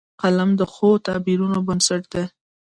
قلم د ښو تعبیرونو بنسټ دی